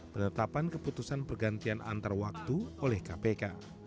penetapan keputusan pergantian antarwaktu oleh kpk